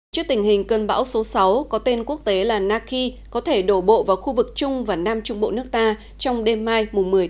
trước tình hình cơn bão số sáu có tên quốc tế là naki có thể đổ bộ vào khu vực trung và nam trung bộ nước ta trong đêm mai một mươi một